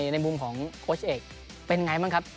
ในมุมของโค้ชเอกเป็นไงบ้างครับ